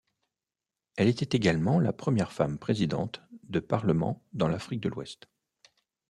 Elle était également la première femme présidente de parlement dans l'Afrique de l'Ouest.